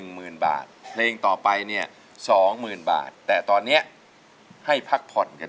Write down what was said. หมื่นบาทเพลงต่อไปเนี่ย๒๐๐๐บาทแต่ตอนนี้ให้พักผ่อนกัน